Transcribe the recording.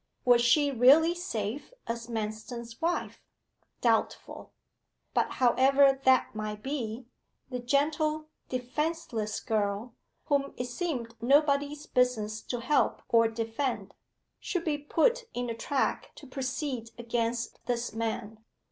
Was she really safe as Manston's wife? Doubtful. But, however that might be, the gentle, defenceless girl, whom it seemed nobody's business to help or defend, should be put in a track to proceed against this man.